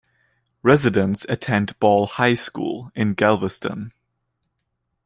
Residents attend Ball High School in Galveston.